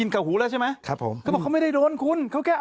พลิกต๊อกเต็มเสนอหมดเลยพลิกต๊อกเต็มเสนอหมดเลย